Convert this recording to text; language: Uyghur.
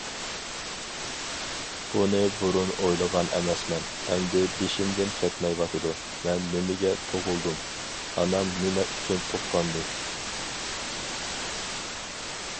بۇنى بۇرۇن ئويلىغان ئەمەسمەن، ئەمدى بېشىمدىن كەتمەيۋاتىدۇ، مەن نېمىگە تۇغۇلدۇم، ئانام نېمە ئۈچۈن تۇغقاندۇر؟!